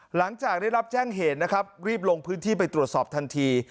หลังจากได้รับแจ้งเหตุนะครับรีบลงพื้นที่ไปตรวจสอบทันที